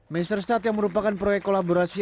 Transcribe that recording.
meisterstad yang merupakan proyek kolaborasi